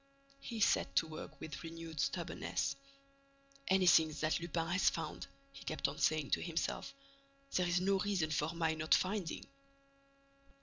He set to work with renewed stubbornness: "Anything that Lupin has found," he kept on saying to himself, "there is no reason for my not finding."